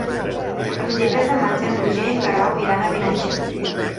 El vint-i-tres de maig en Roger i en Guerau iran a Vinaixa.